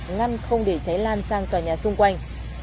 ngăn không để cháy lan sang tòa nhà xung quanh